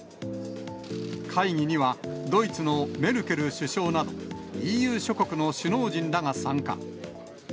会議には、ドイツのメルケル首相など、ＥＵ諸国の首脳陣らが参加。